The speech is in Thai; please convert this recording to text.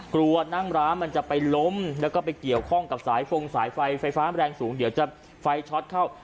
กลัวนั่งร้านมันจะไปล้มแล้วก็ไปเกี่ยวข้องกับสายฟงสายไฟไฟฟ้าแรงสูงเดี๋ยวจะไฟช็อตเข้า